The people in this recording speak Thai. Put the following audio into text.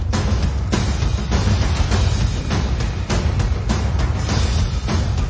แต่ก็ไม่รู้ว่าจะมีใครอยู่ข้างหลัง